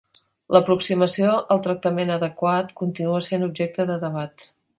L"aproximació al tractament adequat continua sent objecte de debat.